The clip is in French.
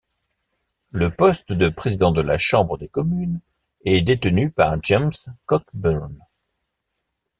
Le poste de Président de la Chambre des communes est détenu par James Cockburn.